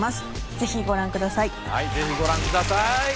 ぜひご覧ください。